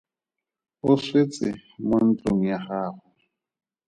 O swetse mo ntlong ya gago.